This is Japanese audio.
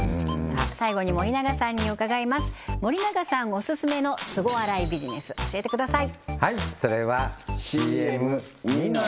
最後に森永さんに伺いますオススメのスゴ洗いビジネス教えてください